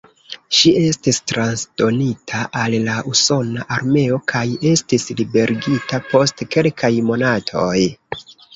Ŝi estis transdonita al la usona armeo kaj estis liberigita post kelkaj monatoj.